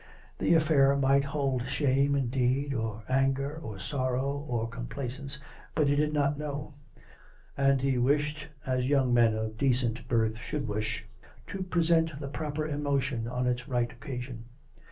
The affair might hold shame, indeed, or anger, or sorrow, or complacence, but he did not know; and he wished, as young men of decent birth should wish, to present the proper emotion on its right occasion.